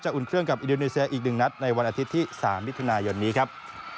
อุ่นเครื่องกับอินโดนีเซียอีก๑นัดในวันอาทิตย์ที่๓มิถุนายนนี้ครับ